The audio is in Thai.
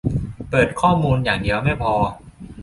เปิดข้อมูลอย่างเดียวไม่พอ